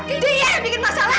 dia yang bikin masalah